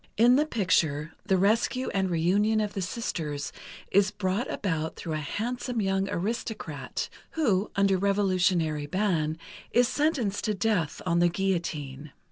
In the picture, the rescue and reunion of the sisters is brought about through a handsome young aristocrat who, under revolutionary ban, is sentenced to death on the guillotine.